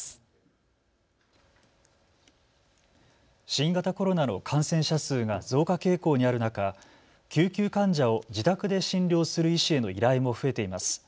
新型コロナの感染者数が増加傾向にある中、救急患者を自宅で診療する医師への依頼も増えています。